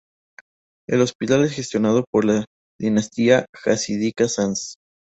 El hospital es gestionado por la dinastía jasídica Sanz.